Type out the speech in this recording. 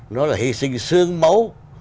nó là hy sinh xương máu